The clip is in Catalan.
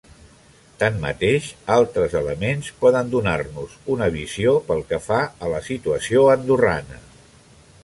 Tanmateix, altres elements poden donar-nos una visió pel que fa a la situació andorrana.